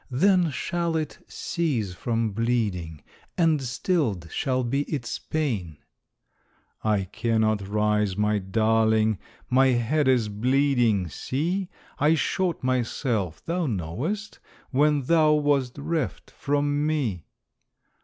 Then shall it cease from bleeding. And stilled shall be its pain." "I cannot rise, my darling, My head is bleeding see! I shot myself, thou knowest, When thou wast reft from me."